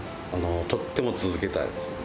とっても続けたい。